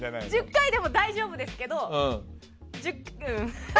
１０回でも大丈夫ですけど。